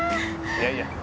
いやいや。